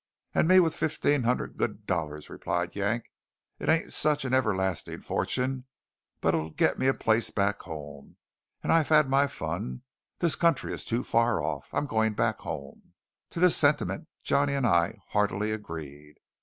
"And me with fifteen hundred good dollars?" replied Yank. "It ain't such an everlasting fortune; but it'll git me a place back home; and I've had my fun. This country is too far off. I'm going back home." To this sentiment Johnny and I heartily agreed.